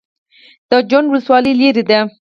د جوند ولسوالۍ لیرې ده